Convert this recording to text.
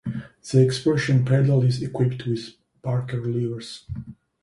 The expression pedal is equipped with Barker levers.